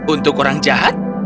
untuk orang jahat